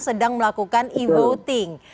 sedang melakukan e voting